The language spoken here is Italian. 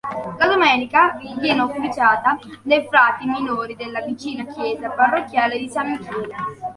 La domenica viene officiata dai frati minori della vicina Chiesa parrocchiale di San Michele.